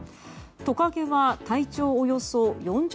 トカゲは体長およそ４０ｃｍ。